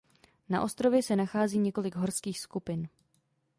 Na ostrově se nachází několik horských skupin.